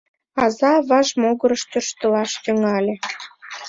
Аза аваж могырыш тӧрштылаш тӱҥале.